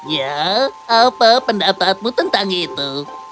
ya apa pendapatmu tentang itu